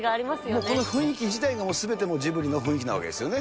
もうこの雰囲気自体がもうすべてジブリの雰囲気なんですよね。